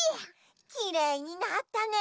きれいになったね！